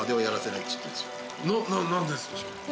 何でですか？